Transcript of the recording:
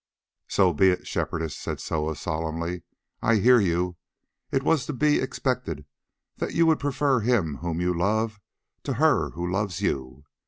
"So be it, Shepherdess," said Soa solemnly, "I hear you. It was to be expected that you would prefer him whom you love to her who loves you.